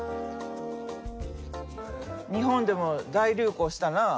日本でも大流行したな。